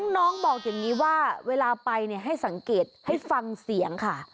น้องบอกอย่างนี้ว่าเวลาไปให้สังเกตให้ฟังเสียงค่ะ